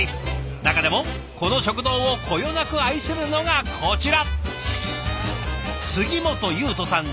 中でもこの食堂をこよなく愛するのがこちら杉本佑斗さん